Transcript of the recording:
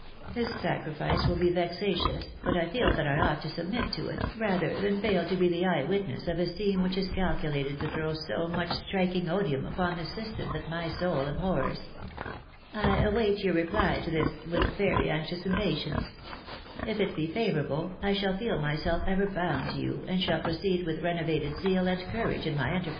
This sacrifice will be vexatious, but I feel that I ought to submit to it, rather than fail to be the eyewitness of a scene which is calculated to throw so much striking odium upon the system that my soul abhors. I await your reply to this with very anxious im patience. If it be favourable, I shall feel myself ever bound to you, and shall proceed with renovated zeal and courage in my enter MKS. BAENABY ACCELERATES BUSINESS.